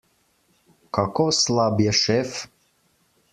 Kako slab je šef?